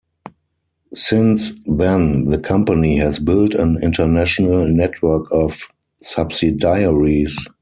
Since then the company has built an international network of subsidiaries.